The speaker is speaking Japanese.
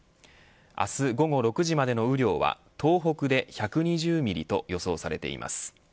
明日午後６時までの雨量は東北で１２０ミリと予想されています。